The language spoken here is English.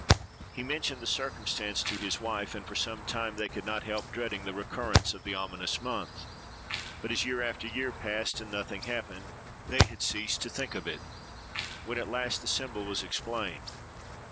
He mentioned the circumstance to his wife; and for some time, they could not help dreading the recurrence of the ominous month; but, as year after year passed, and nothing happened, they had ceased to think of it, when at last the symbol was explained.